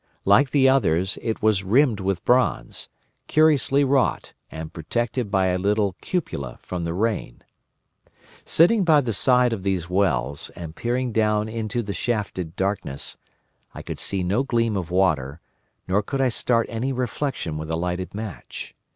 Like the others, it was rimmed with bronze, curiously wrought, and protected by a little cupola from the rain. Sitting by the side of these wells, and peering down into the shafted darkness, I could see no gleam of water, nor could I start any reflection with a lighted match.